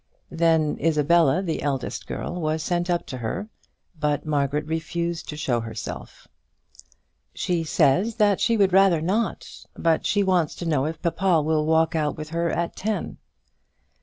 Then Isabella, the eldest girl, was sent up to her, but Margaret refused to show herself. "She says she would rather not; but she wants to know if papa will walk out with her at ten."